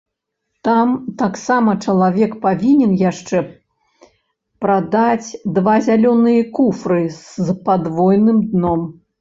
Там таксама чалавек павінен яшчэ прадаць два зялёныя куфры з падвойным дном.